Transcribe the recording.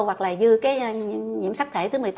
hoặc là dư cái nhiễm sắc thể thứ một mươi tám